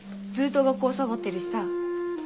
ずっと学校サボってるしさあ。